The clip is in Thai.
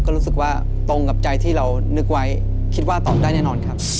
ก็รู้สึกว่าตรงกับใจที่เรานึกไว้คิดว่าตอบได้แน่นอนครับ